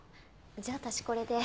じゃあ私これで。